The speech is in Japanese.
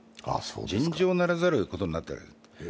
尋常ならざることになっている。